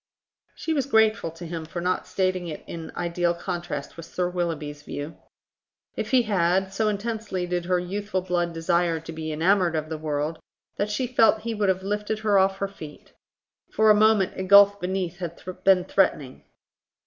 She was grateful to him for not stating it in ideal contrast with Sir Willoughby's view. If he had, so intensely did her youthful blood desire to be enamoured of the world, that she felt he would have lifted her off her feet. For a moment a gulf beneath had been threatening.